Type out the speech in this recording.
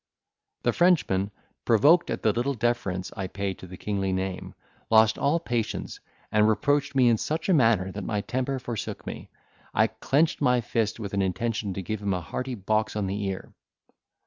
The Frenchman, provoked at the little deference I paid to the kingly name, lost all patience, and reproached me in such a manner that my temper forsook me, I clenched my fist, with an intention to give him a hearty box on the ear.